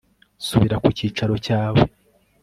subira ku cyicaro cyawe